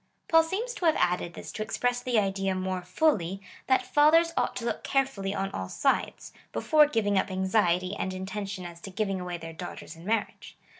Paul seems to have added this to express the idea more fully, that fathers ought to look carefully on all sides, before giving up anxiety and in tention as to giving away their daughters in marriage.